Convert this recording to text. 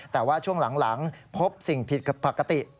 แต่ว่าช่วงหลังพบสิ่งผิดปกติ